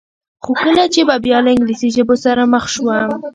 خو کله چې به بیا له انګلیسي ژبو سره مخ شوم.